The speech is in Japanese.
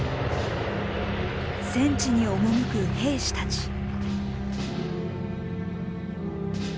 戦地に赴く兵士たち。